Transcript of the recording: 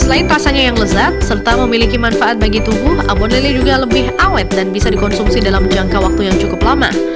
selain rasanya yang lezat serta memiliki manfaat bagi tubuh abon lele juga lebih awet dan bisa dikonsumsi dalam jangka waktu yang cukup lama